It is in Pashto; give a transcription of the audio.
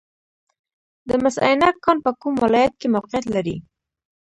د مس عینک کان په کوم ولایت کې موقعیت لري؟